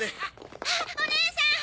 あっおねえさん！